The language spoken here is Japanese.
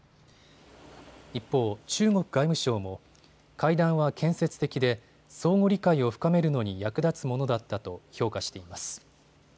一方、中国外務省も会談は建設的で相互理解を深めるのに役立つものだったと評価しています。